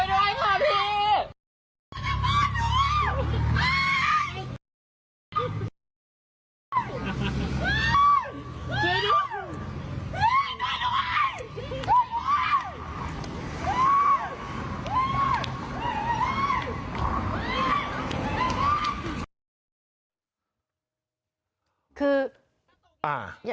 ช่วยด้วยก่อนหน่อยพี่